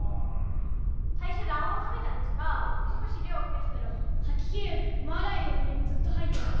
最初卵黄を食べたんですが少し量を増やしたら吐き気がマーライオンのようにずっと吐いちゃって。